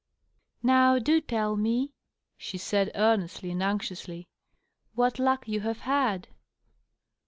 " Now do tell me," she said, earnestly and anxiously, " what luck you have had."